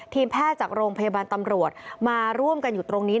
แพทย์จากโรงพยาบาลตำรวจมาร่วมกันอยู่ตรงนี้